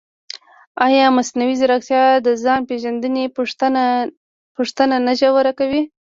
ایا مصنوعي ځیرکتیا د ځان پېژندنې پوښتنه نه ژوره کوي؟